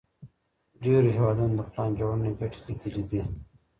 ډېرو هېوادونو د پلان جوړوني ګټي ليدلي دي.